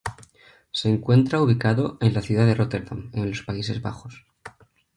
Se encuentra ubicado en la ciudad de Róterdam en los Países Bajos.